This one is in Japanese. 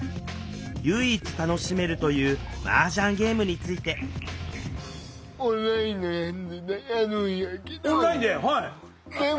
唯一楽しめるというマージャンゲームについてオンラインで！